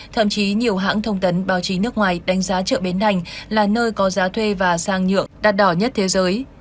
thậm chí nhiều hãng thông tấn báo chí nước ngoài đánh giá chợ bến đành là nơi có giá thuê và sang nhượng đắt đỏ nhất thế giới